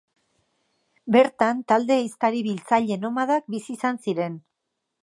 Bertan talde ehiztari-biltzaile nomadak bizi izan ziren.